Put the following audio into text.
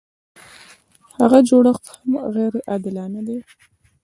هغه جوړښت هم غیر عادلانه دی.